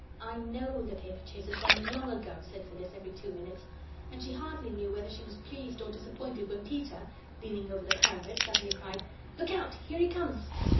"I KNOW the paperchase has gone long ago," said Phyllis every two minutes, and she hardly knew whether she was pleased or disappointed when Peter, leaning over the parapet, suddenly cried: "Look out. Here he comes!"